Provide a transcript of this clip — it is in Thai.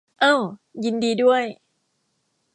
เอ้า ยินดีด้วย